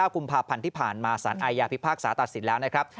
กุมภาพันธ์ที่ผ่านมาสารอาญาพิพากษาตัดสินแล้วนะครับ